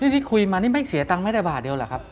ที่คุยมานี่ไม่เสียตังค์ไม่ได้บาทเดียวเหรอครับ